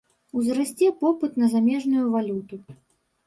Узрасце попыт на замежную валюту.